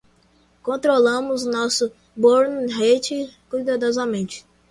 Controlamos nosso burn rate cuidadosamente.